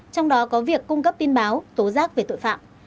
trong đó có việc cung cấp tin báo tố giác về tội phạm